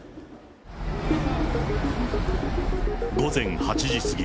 午前８時過ぎ、